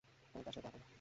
আমি তার সাথে দেখা করব।